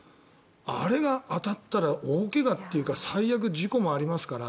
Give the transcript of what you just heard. あれが当たったら大怪我というか最悪、事故もありますから。